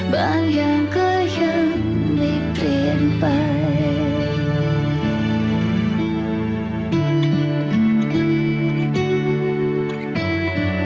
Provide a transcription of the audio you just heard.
บางอย่างเท่านั้น